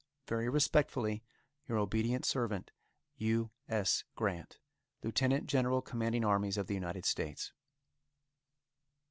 Very respectfully, Your obedient servant, U. S. GRANT, Lieut. General Commanding Armies of the United States.